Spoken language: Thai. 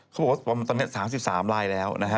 เขาบอกว่าตอนนี้๓๓รายแล้ว